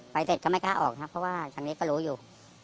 เสร็จก็ไม่กล้าออกครับเพราะว่าทางนี้ก็รู้อยู่